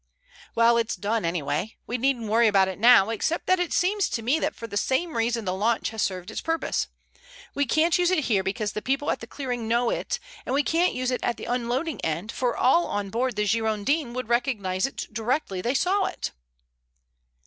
"Well, it's done anyway. We needn't worry about it now, except that it seems to me that for the same reason the launch has served its purpose. We can't use it here because the people at the clearing know it, and we can't use it at the unloading end, for all on board the Girondin would recognize it directly they saw it."